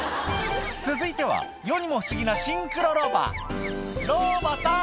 続いては世にも不思議なシンクロロバ「ロバさん」